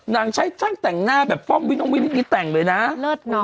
น้างชายจะตักแต่งหน้าแบบพ่อมวินในตักแต่งดัวนี้เนาะ